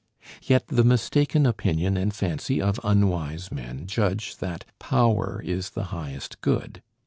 Yet the mistaken opinion and fancy of unwise men judge that power is the highest good.